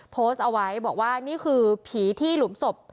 โพสต์เอาไว้บอกว่านี่คือผีที่หลุมศพ